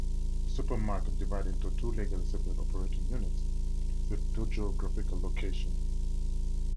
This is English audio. The supermarket divided into two legally separate operating units with two geographical locations.